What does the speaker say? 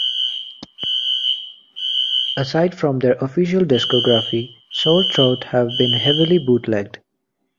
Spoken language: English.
Aside from their official discography, Sore Throat have been heavily bootlegged.